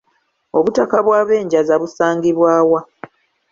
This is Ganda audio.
Obutaka bw’Abenjaza busangibwa wa?